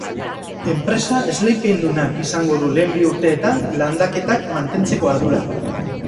Enpresa esleipendunak izango du lehen bi urteetan landaketak mantentzeko ardura.